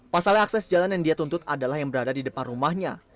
pasalnya akses jalan yang dia tuntut adalah yang berada di depan rumahnya